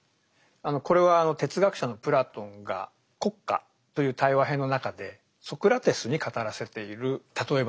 これは哲学者のプラトンが「国家」という対話篇の中でソクラテスに語らせている例え話ですね。